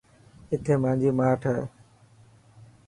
اٿي مانجي ماٺ هي.